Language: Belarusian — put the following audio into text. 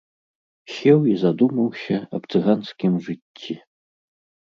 Сеў і задумаўся аб цыганскім жыцці.